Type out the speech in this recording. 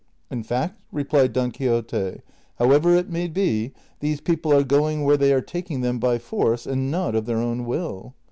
" In fact," replied Don Quixote, " however it may be, these people are going where they are taking them by force, and not of their own will."